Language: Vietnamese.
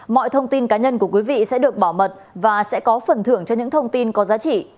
mọi thông tin cá nhân của quý vị sẽ được bảo mật và sẽ có phần thưởng cho những thông tin có giá trị